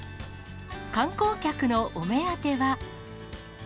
観光客のお目当ては。